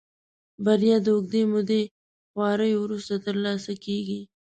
بريا د اوږدې مودې خواريو وروسته ترلاسه کېږي.